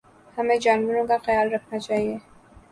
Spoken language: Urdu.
ہمیں جانوروں کا خیال رکھنا چاہیے